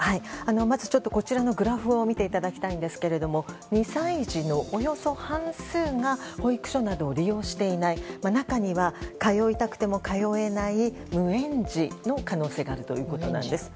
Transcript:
まずこちらのグラフを見ていただきたいんですが２歳児のおよそ半数が保育所などを利用していない中には通いたくても通えない無園児の可能性があるということなんです。